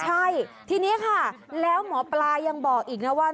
ใช่ทีนี้ค่ะแล้วหมอปลายังบอกอีกนะว่า